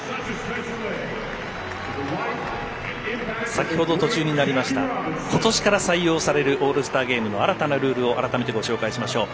先ほど途中になりましたことしから採用されるオールスターゲームの新たなルールを改めて、ご紹介しましょう。